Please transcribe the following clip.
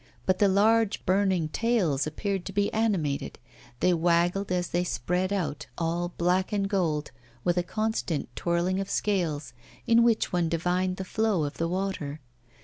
But the large burning tails appeared to be animated, they waggled as they spread out, all black and gold, with a constant twirling of scales, in which one divined the flow of the water.